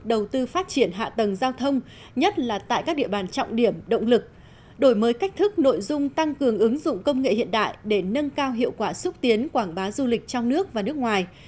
đầu tư phát triển hạ tầng giao thông nhất là tại các địa bàn trọng điểm động lực đổi mới cách thức nội dung tăng cường ứng dụng công nghệ hiện đại để nâng cao hiệu quả xúc tiến quảng bá du lịch trong nước và nước ngoài